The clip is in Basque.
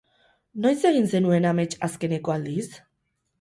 Noiz egin zenuen amets azkeneko aldiz?